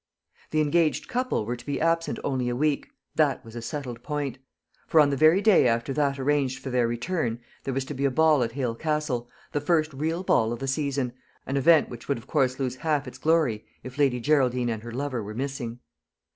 The engaged couple were to be absent only a week that was a settled point; for on the very day after that arranged for their return there was to be a ball at Hale Castle the first real ball of the season an event which would of course lose half its glory if Lady Geraldine and her lover were missing.